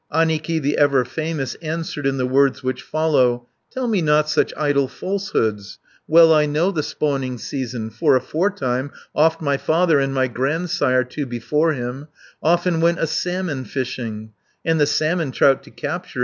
Annikki, the ever famous, Answered in the words which follow: "Tell me not such idle falsehoods! Well I know the spawning season, 120 For aforetime oft my father And my grandsire; too, before him, Often went a salmon fishing, And the salmon trout to capture.